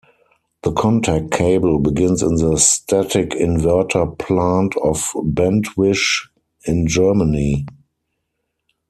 The Kontek cable begins in the static inverter plant of Bentwisch in Germany.